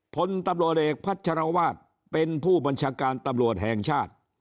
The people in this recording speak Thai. พลตำรวจเอกพัชรวาสเป็นผู้บัญชาการตำรวจแห่งชาติ